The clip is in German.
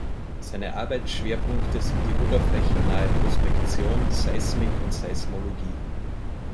Seine Arbeitsschwerpunkte sind die oberflächennahe Prospektion, Seismik und Seismologie.